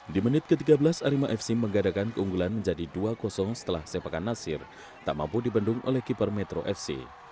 di menit ke tiga belas arema fc mengadakan keunggulan menjadi dua setelah sepakan nasir tak mampu dibendung oleh keeper metro fc